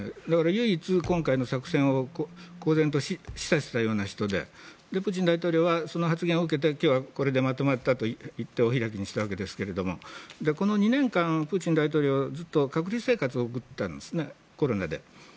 だから唯一、今回の作戦を公然と示唆したような人でプーチン大統領はその発言を受けて今日は、これでまとまったと言ってお開きにしたんですがこの２年間、プーチン大統領はずっと隔離生活を送ってたんですね、コロナで。